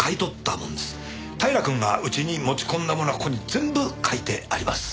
平くんがうちに持ち込んだものはここに全部書いてあります。